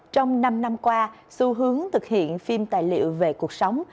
trong năm năm qua xu hướng thực hiện phim tài liệu về cuộc sống